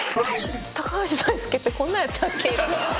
「高橋大輔ってこんなんやったっけ？」。